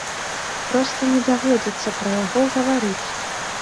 Проста не даводзіцца пра яго гаварыць.